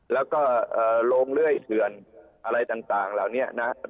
แล้วก็โรงเลื่อยเถื่อนอะไรต่างเหล่านี้นะ